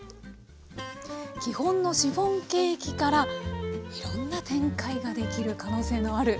基本のシフォンケーキからいろんな展開ができる可能性のある。